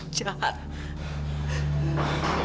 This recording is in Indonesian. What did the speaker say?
ibu jahat ma